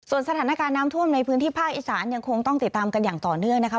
สถานการณ์น้ำท่วมในพื้นที่ภาคอีสานยังคงต้องติดตามกันอย่างต่อเนื่องนะคะ